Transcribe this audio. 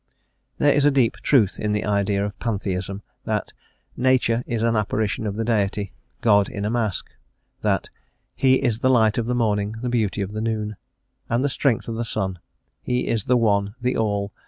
There is a deep truth in the idea of Pantheism, that "Nature is an apparition of the Deity, God in a mask;" that "He is the light of the morning, the beauty of the noon, and the strength of the sun. He is the One, the All...